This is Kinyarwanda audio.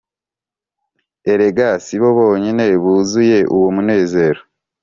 Erega sibo bonyine buzuye uwo munezero